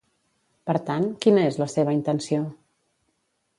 Per tant, quina és la seva intenció?